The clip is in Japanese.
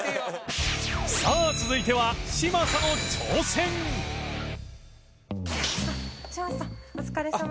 さあ続いては嶋佐の挑戦嶋佐さん